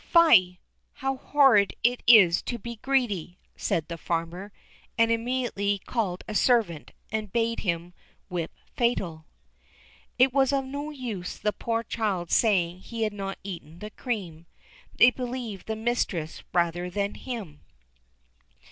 "Fie! how horrid it is to be greedy," said the farmer; and immediately called a servant, and bade him whip Fatal. It was of no use the poor child saying he had not eaten the cream; they believed the mistress rather than him.